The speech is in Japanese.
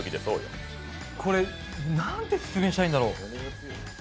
これなんて表現したらいいんだろ？